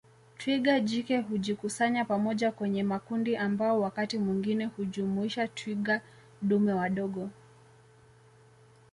Twiga jike hujikusanya pamoja kwenye makundi ambao wakati mwingine hujumuisha twiga dume wadogo